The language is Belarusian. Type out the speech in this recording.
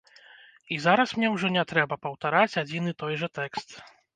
І зараз мне ўжо не трэба паўтараць адзін і той жа тэкст.